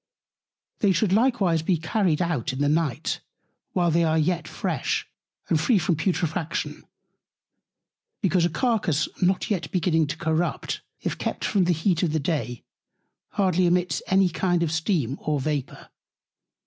They should likewise be carried out in the Night, while they are yet fresh and free from Putrefaction: Because a Carcass not yet beginning to Corrupt, if kept from the Heat of the Day, hardly emits any kind of Steam or Vapour.